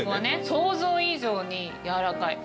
想像以上にやわらかい。